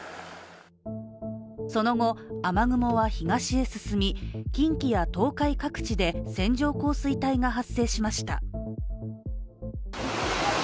その後、雨雲は東へ進み近畿や東海各地で線状降水帯が発生しました。